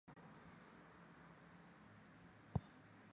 白脉韭是葱科葱属的变种。